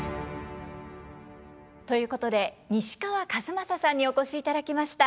ということで西川千雅さんにお越しいただきました。